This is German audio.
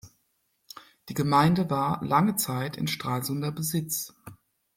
Die Gemeinde war lange Zeit in Stralsunder Besitz.